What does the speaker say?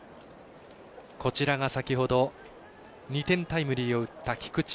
先ほど２点タイムリーを打った菊地。